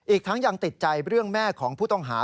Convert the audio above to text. อีกทั้งยังติดใจเรื่องแม่ของผู้ต้องหา